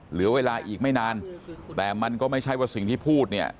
เหลือเวลาอีกไม่นานแต่มันก็ไม่ใช่ว่าสิ่งที่พูดเนี่ย